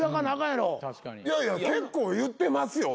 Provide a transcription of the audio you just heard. いやいや結構言ってますよ